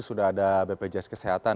sudah ada bpjs kesehatan